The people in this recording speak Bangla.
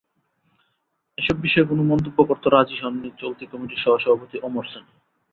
এসব বিষয়ে কোনো মন্তব্য করতে রাজি হননি চলতি কমিটির সহসভাপতি ওমর সানী।